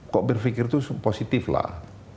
kok berpikir itu positif lah